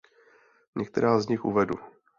Některá z nich uvedu.